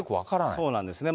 そうなんですね。